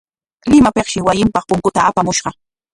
Limapikshi wasinpaq punkuta apamushqa.